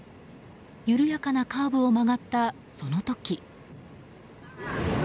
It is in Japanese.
緩やかなカーブを曲がったその時。